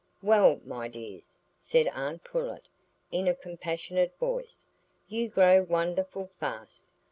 "Well, my dears," said aunt Pullet, in a compassionate voice, "you grow wonderful fast.